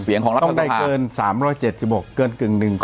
ของรัฐต้องได้เกิน๓๗๖เกินกึ่งหนึ่ง